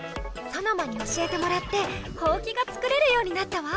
ソノマに教えてもらって「ほうき」が作れるようになったわ！